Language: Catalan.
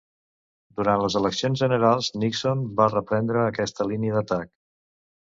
Durant les eleccions generals, Nixon va reprendre aquesta línia d'atac.